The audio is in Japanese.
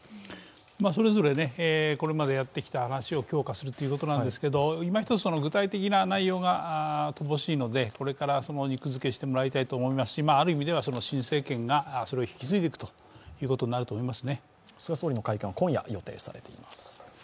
それぞれ、これまでやってきたことを強化するということですけど今１つ、具体的な内容が乏しいのでこれから肉付けしてもらいたいと思いますし、ある意味では新政権がそれを引き継いでいくことになると思います。